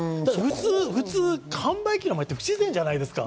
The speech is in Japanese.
普通、販売機の前って不自然じゃないですか。